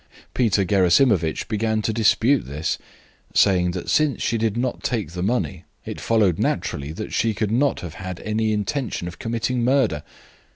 Peter Gerasimovitch began to dispute this, saying that since she did not take the money it followed naturally that she could not have had any intention of committing murder.